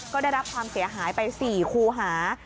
ก็ได้รับความเสียหายไป๔คูหา